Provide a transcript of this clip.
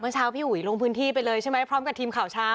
เช้าพี่อุ๋ยลงพื้นที่ไปเลยใช่ไหมพร้อมกับทีมข่าวเช้า